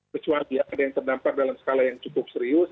kecuali ada yang terdampar dalam skala yang cukup serius